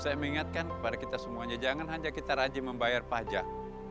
saya mengingatkan kepada kita semuanya jangan hanya kita rajin membayar pajak